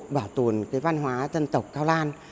bảo tồn cái văn hoá dân tộc cao lan